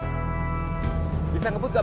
ada air putih sama kolak bekas kemarin